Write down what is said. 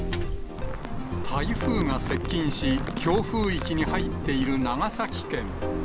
台風が接近し、強風域に入っている長崎県。